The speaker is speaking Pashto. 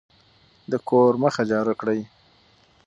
د کور مخه جارو کړئ.